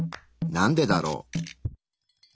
なんでだろう？